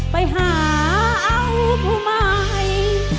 ไปหาเอาผู้ใหม่